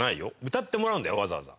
歌ってもらうんだよわざわざ。